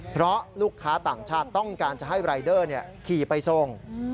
เพราะลูกค้าต่างชาติต้องการจะให้รายเดอร์ขี่ไปส่ง